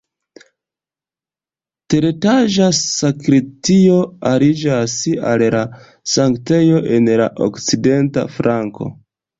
Teretaĝa sakristio aliĝas al la sanktejo en la okcidenta flanko.